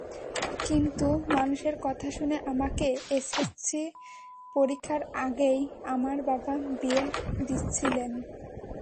কিন্তু মানুষের কথা শুনে আমাকে এসএসসি পরীক্ষার আগেই আমার বাবা বিয়ে দিচ্ছিলেন।